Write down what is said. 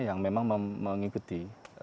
yang memang mengikuti